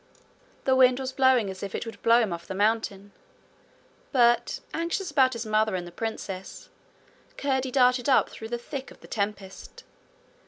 The wind was blowing as if it would blow him off the mountain, but, anxious about his mother and the princess, Curdie darted up through the thick of the tempest.